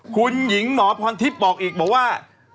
คุณหญิงหมอพรทิพย์บอกอีกบอกว่า